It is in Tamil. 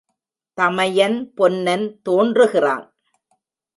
தமையன் பொன்னன் தோன்றுகிறான்.